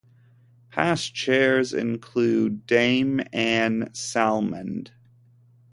Past chairs include Dame Anne Salmond.